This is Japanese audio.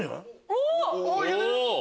おっ！